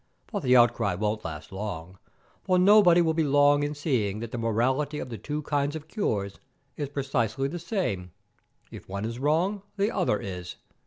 But the outcry won't last long, for nobody will be long in seeing that the morality of the two kinds of cures is precisely the same, If one is wrong, the other is.